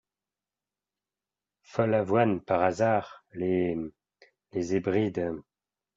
Follavoine Par hasard, les… les Hébrides…